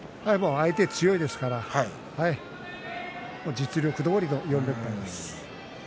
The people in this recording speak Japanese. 相手が強いですから実力どおりの４連敗です。